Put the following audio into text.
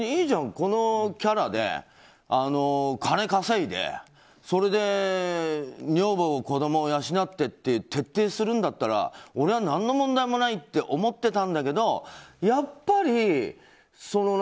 このキャラで金稼いでそれで女房、子供を養ってって徹底するんだったら俺は何の問題もないって思っていたんだけど、やっぱり。